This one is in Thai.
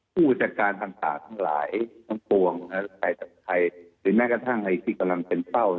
ผู้จัดการต่างทั้งหลายทั้งปวงใครจากใครหรือแม้กระทั่งไอ้ที่กำลังเป็นเป้า